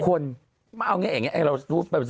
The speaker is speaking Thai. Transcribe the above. ทุกคนเอาอย่างนี้เราลูบ